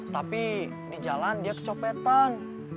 tapi di jalan dia kecopetan